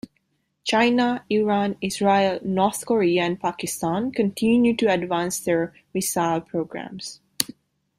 China, Iran, Israel, North Korea, and Pakistan continue to advance their missile programs.